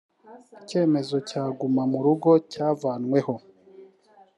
icyemezo cyagumamurugo cyavanweho.